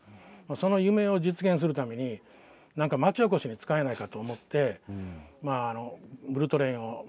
その夢を実現するために町おこしに使えないかなと思ってブルートレイン